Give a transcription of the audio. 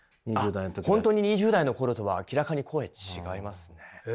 あっ本当に２０代の頃とは明らかに声違いますね。